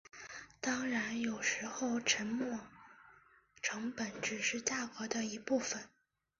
当然有时候沉没成本只是价格的一部分。